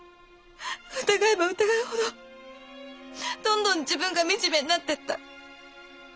疑えば疑うほどどんどん自分が惨めになってった。